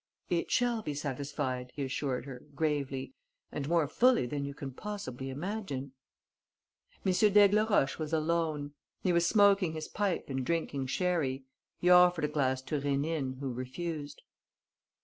"It shall be satisfied," he assured her, gravely, "and more fully than you can possibly imagine." M. d'Aigleroche was alone. He was smoking his pipe and drinking sherry. He offered a glass to Rénine, who refused.